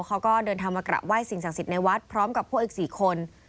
เขาก็เดินทางมากราบไห้สิ่งศักดิ์สิทธิ์ในวัดพร้อมกับพวกอีก๔คน